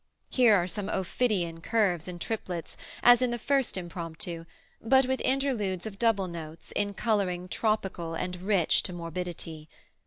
Here are some ophidian curves in triplets, as in the first Impromptu, but with interludes of double notes, in coloring tropical and rich to morbidity.